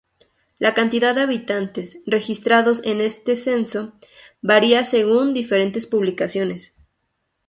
La cantidad de habitantes, registrados en este censo, varía según diferentes publicaciones.